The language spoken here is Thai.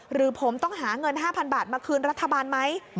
หรือผมต้องหาเงิน๕๐๐๐บาทมาคืนรัฐบาลไหม